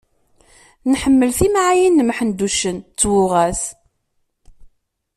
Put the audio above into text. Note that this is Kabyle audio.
Nḥemmel timɛayin n Mḥend uccen, d twuɣa-s.